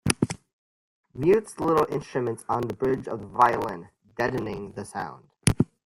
Mutes little instruments on the bridge of the violin, deadening the sound.